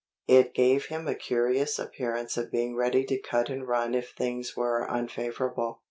It gave him a curious appearance of being ready to cut and run if things were unfavorable.